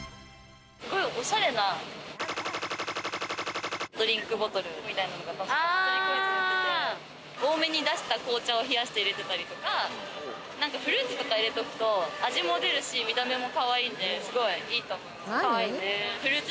すごくおしゃれなドリンクボトルみたいのが多めに出した紅茶を冷やして入れたりとかフルーツとか入れておくと味も出るし、見た目もかわいいんで、すごいいいと思います。